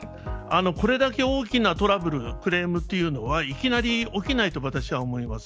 これだけ大きなトラブルクレームというのはいきなり起きないと私は思います。